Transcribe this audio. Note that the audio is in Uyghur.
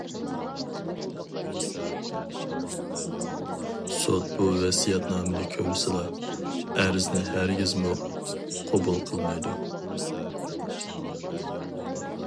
سوت بۇ ۋەسىيەتنامىنى كۆرسىلا ئەرزنى ھەرگىزمۇ قوبۇل قىلمايدۇ.